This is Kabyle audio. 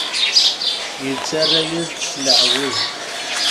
Yettarra-yas-d s leɛweǧ.